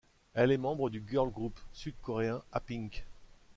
Elle est membre du girl group sud-coréen Apink.